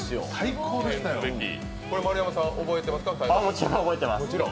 もちろん覚えてます。